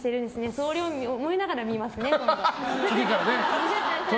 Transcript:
それを思いながら見ますね、今度。